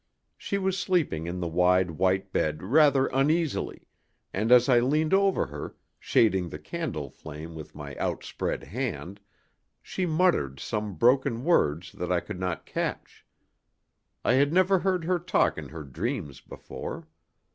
She was sleeping in the wide white bed rather uneasily, and as I leaned over her, shading the candle flame with my outspread hand, she muttered some broken words that I could not catch. I had never heard her talk in her dreams before.